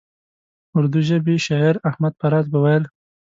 اردو ژبي شاعر احمد فراز به ویل.